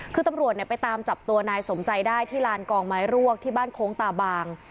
คือตำรวจไปตามจับตัวนายสมใจได้ที่ลานกองไม้รวกที่บ้านโค้งตาบาง